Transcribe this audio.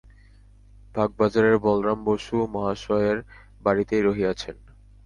বাগবাজারের বলরাম বসু মহাশয়ের বাড়ীতেই রহিয়াছেন।